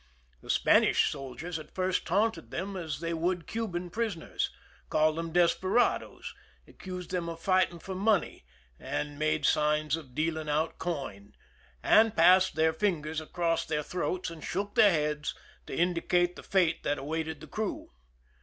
The Spanish soldiers at first taunted them as they would Cuban prisoners ; called them desper ados; accused them of fighting for money, and made signs of dealing out coin ; and passed their fingers across their throats and shook their heads, to indicate the fate that awaited the crew.